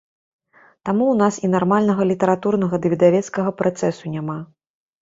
Таму ў нас і нармальнага літаратурнага ды выдавецкага працэсу няма.